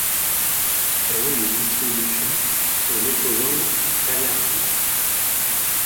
Sa zone de distribution est l'écozone paléarctique.